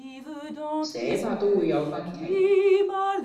寫法都會有分歧